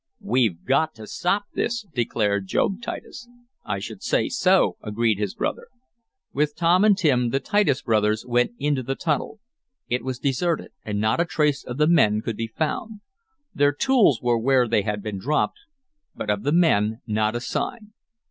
"We've got to stop this!" declared Job Titus. "I should say so!" agreed his brother. With Tom and Tim the Titus brothers went into the tunnel. It was deserted, and not a trace of the men could be found. Their tools were where they had been dropped, but of the men not a sign.